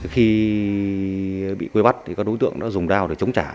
khi bị quê bắt các đối tượng đã dùng đao để chống trả